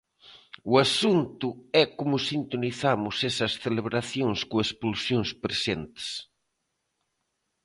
O asunto é como sintonizamos esas celebracións coas pulsións presentes.